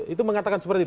itu mengatakan seperti itu